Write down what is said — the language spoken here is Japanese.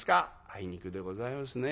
「あいにくでございますね。